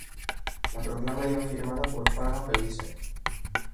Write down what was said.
La proclama iba firmada por Farga Pellicer.